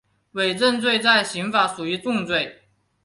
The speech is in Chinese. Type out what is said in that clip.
伪证罪在刑法属于重罪。